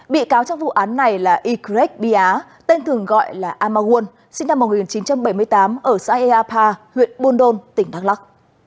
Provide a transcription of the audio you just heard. bị cáo trong vụ án này là ycret bia tên thường gọi là amagun sinh năm một nghìn chín trăm bảy mươi tám ở xã eapa huyện buôn đôn tỉnh đắk lắc